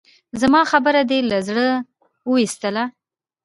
زما خبره دې له زړه اوېستله؟